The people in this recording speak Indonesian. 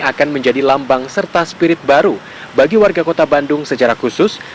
akan menjadi lambang serta spirit baru bagi warga kota bandung secara khusus